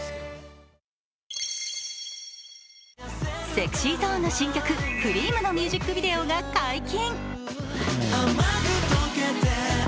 ＳｅｘｙＺｏｎｅの新曲「Ｃｒｅａｍ」のミュージックビデオが解禁。